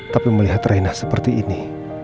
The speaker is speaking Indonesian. tapi melihat raina seperti ini